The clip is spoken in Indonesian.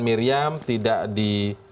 miriam tidak di